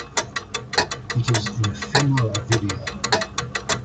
It is an ephemeral video.